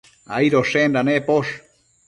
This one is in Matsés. Aidoshenda neposh